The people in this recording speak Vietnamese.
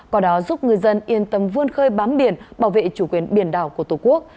có đó giúp ngư dân yên tâm vươn khơi bám biển bảo vệ chủ quyền biển đảo của tổ quốc